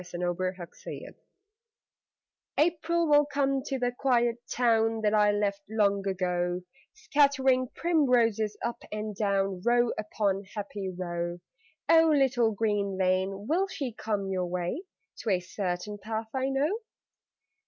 THE EMPTY HOUSE April will come to the quiet town That I left long ago, Scattering primroses up and down Row upon happy row. (Oh, little green lane, will she come your way, To a certain path I know?)